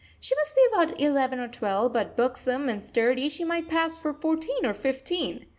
She must be about eleven or twelve; but, buxom and sturdy, she might pass for fourteen or fifteen.